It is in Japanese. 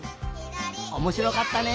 おもしろかったね！